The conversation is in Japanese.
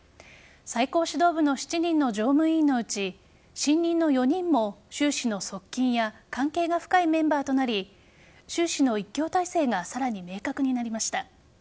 最高指導部の７人の常務委員のうち新任の４人も習氏の側近や関係が深いメンバーとなり習氏の一強体制がさらに明確になりました。